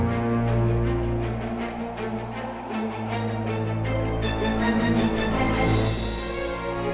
kamu terjudi dari adikatan kamu